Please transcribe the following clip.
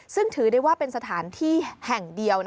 ซึ่งถือได้ว่าเป็นสถานที่แห่งเดียว